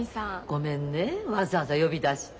ごめんねわざわざ呼び出して。